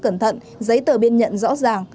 cẩn thận giấy tờ biên nhận rõ ràng